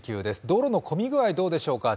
道路の混み具合どうでしょうか。